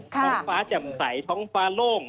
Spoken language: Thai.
ท้องฟ้าแจ่มใสท้องฟ้าโล่ง